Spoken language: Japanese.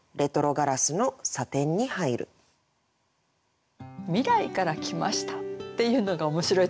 「未来から来ました、」っていうのが面白いと思いませんか？